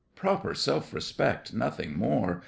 Proper self respect, nothing more.